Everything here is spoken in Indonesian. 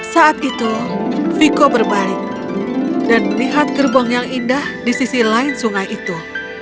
saat itu viko berbalik dan melihat gerbong yang indah di sisi lain sungai itu